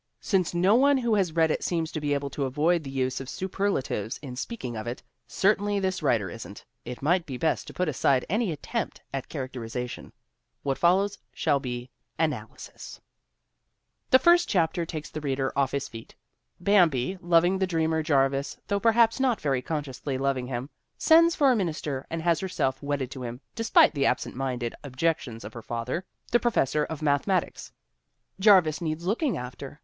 Since no one who has read it seems to be able to avoid the use of superlatives in speaking of it certainly this writer isn't it might be best to put aside any attempt at characterization. What follows shall be analysis ! 2 4 o THE WOMEN WHO MAKE OUR NOVELS The first chapter takes the reader off his feet. Bam bi, loving the dreamer Jarvis though perhaps not very consciously loving him, sends for a minister and has herself wedded to him, despite the absent minded ob jections of her father, the professor of mathematics. Jarvis needs looking after.